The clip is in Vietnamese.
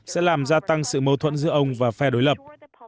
sẽ làm gia tăng sự mâu thuẫn giữa ông và phe đối lập